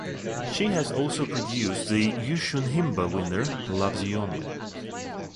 She has also produced the Yushun Himba winner Loves Only You.